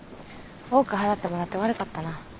多く払ってもらって悪かったな。